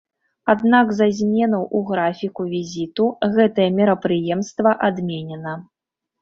Аднак з-за зменаў у графіку візіту гэтае мерапрыемства адменена.